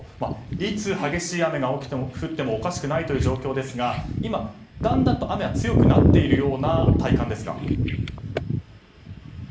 いつ激しい雨が降ってもおかしくない状況ですが今、だんだんと雨は強くなっているような体感ですか。